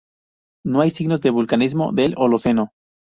No hay signos de vulcanismo del holoceno.